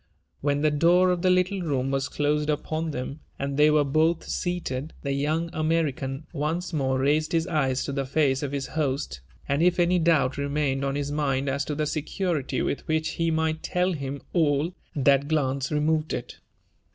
When the door of the little room was closed upon them, and they were both seated, the young American once more raised his eyes to the face of his host; and if any doubt remained on his mind as to the security with which he might tell him all, that glance remoyed it.